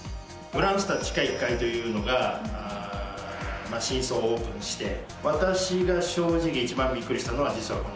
グランスタ地下１階というのが新装オープンして私が正直一番びっくりしたのは実はこのトイレなんです。